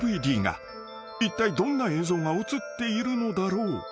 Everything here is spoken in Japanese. ［いったいどんな映像が写っているのだろう？］